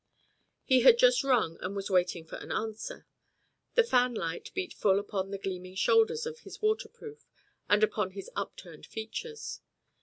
He had just rung and was waiting for an answer. The fanlight beat full upon the gleaming shoulders of his waterproof and upon his upturned features.